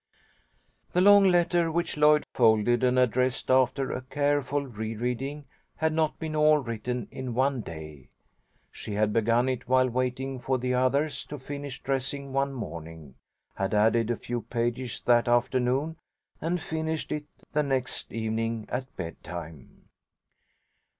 The long letter which Lloyd folded and addressed after a careful re reading, had not been all written in one day. She had begun it while waiting for the others to finish dressing one morning, had added a few pages that afternoon, and finished it the next evening at bedtime.